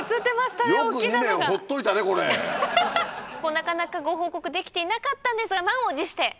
なかなかご報告できていなかったんですが満を持して今日。